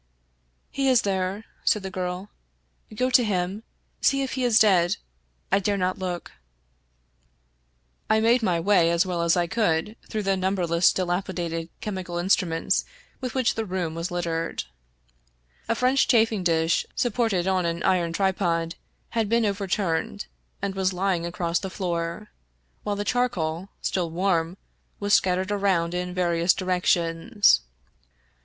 " He is there," said the girl ;" go to him. See if he is dead — I dare not look." I made my way as well as I could through the number less dilapidated chemical instruments with which the room was littered. A French chafing dish supported on an iron II Irish Mystery Stories tripod had been overturned, and was lying across the floor, while the charcoal, still warm, was scattered around in various directions.